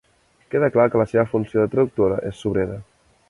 Queda clar que la seva funció de traductora és sobrera.